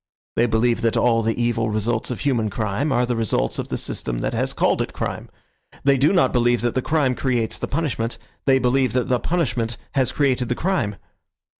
They believe that all the evil results of human crime are the results of the system that has called it crime. They do not believe that the crime creates the punishment. They believe that the punishment has created the crime.